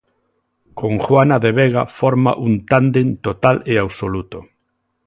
Con Juana de Vega forma un tándem total e absoluto.